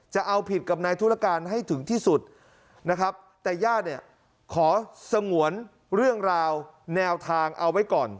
จะเอาผิดกับนายธุรการให้ถึงที่สุดนะครับแต่ญาติเนี่ยขอสงวนเรื่องราวแนวทางเอาไว้ก่อน